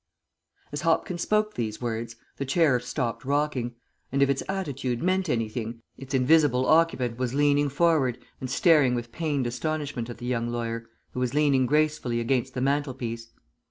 As Hopkins spoke these words the chair stopped rocking, and if its attitude meant anything, its invisible occupant was leaning forward and staring with pained astonishment at the young lawyer, who was leaning gracefully against the mantelpiece.